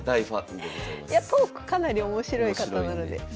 トークかなり面白い方なので是非。